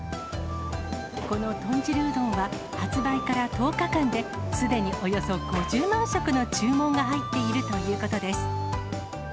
この豚汁うどんは、発売から１０日間で、すでにおよそ５０万食の注文が入っているということです。